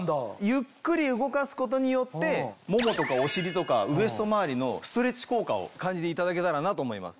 ゆっくり動かすことによってももとかお尻とかウエスト周りのストレッチ効果を感じていただけたらなと思います。